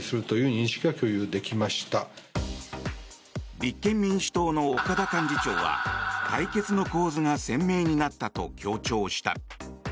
立憲民主党の岡田幹事長は対決の構図が鮮明になったと強調した。